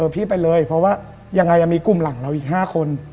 พี่ไปเลยเพราะว่ายังไงมีกลุ่มหลังเราอีก๕คน